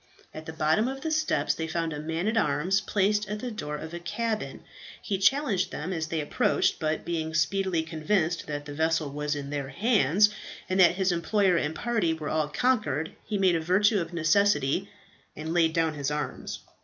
At the bottom of the steps they found a man at arms placed at the door of a cabin. He challenged them as they approached, but being speedily convinced that the vessel was in their hands, and that his employer and party were all conquered, he made a virtue of necessity, and laid down his arms.